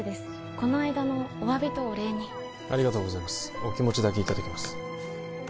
この間のおわびとお礼にありがとうございますお気持ちだけいただきます